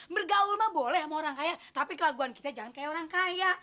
bergaul mah boleh sama orang kaya tapi kelaguan kita jangan kayak orang kaya